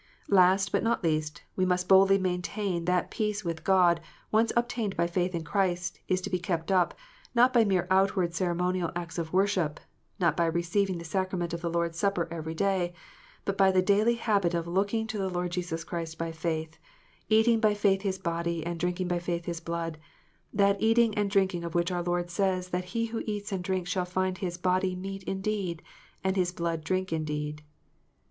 Last, but not least, we must boldly maintain that peace with God, once obtained by faith in Christ, is to be kept up, not by mere outward ceremonial acts of worship, not by receiving the sacrament of the Lord s Supper every day, but by the daily habit of looking to the Lord Jesus Christ by faith, eating by faith His body, and drinking by faith His blood ; that eating and drinking of which our Lord says that he who eats and drinks shall find His " body meat indeed, and His blood drink indeed."